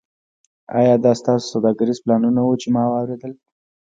ایا دا ستاسو سوداګریز پلانونه وو چې ما اوریدل